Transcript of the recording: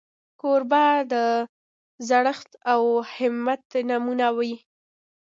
کوربه د زړښت او همت نمونه وي.